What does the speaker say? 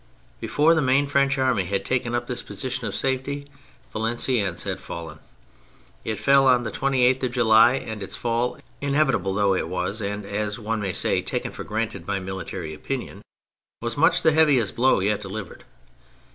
Before the main French army had taken up this position of isafety, Valenciennes had fallen. It fell on the 28th of July, and its fall, inevitable though it was and, as one may say, taken for granted by military opinion, was much the heaviest blow yet delivered.